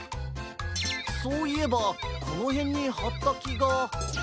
そういえばこのへんにはったきが。